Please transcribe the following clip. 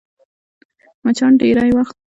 مچان ډېری وخت د سړک شاوخوا وي